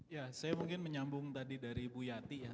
ya saya mungkin menyambung tadi dari bu yati ya